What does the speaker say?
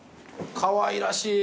かわいらしい。